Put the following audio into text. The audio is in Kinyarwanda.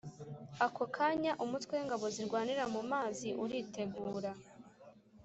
akokanya umutwe wingabo zirwanira mumazi uritegura